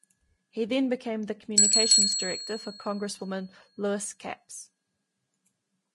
He then became the communications director for Congresswoman Lois Capps.